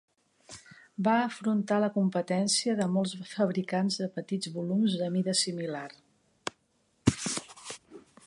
Va afrontar la competència de molts fabricants de petits volums de mida similar.